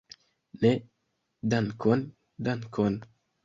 Ne, dankon, dankon.